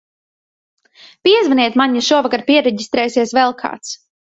Piezvaniet man, ja šovakar piereģistrēsies vēl kāds.